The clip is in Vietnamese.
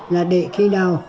là để khi nào